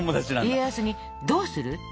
家康に「どうする？